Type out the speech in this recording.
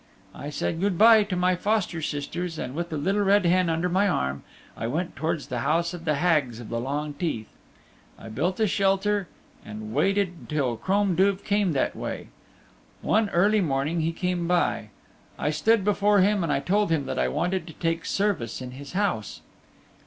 I said good by to my foster sisters and with the Little Red Hen under my arm I went towards the house of the Hags of the Long Teeth. I built a shelter and waited till Crom Duv came that way. One early morning he came by. I stood before him and I told him that I wanted to take service in his house.